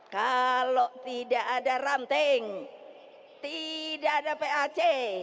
kalau tidak ada ranting tidak ada pac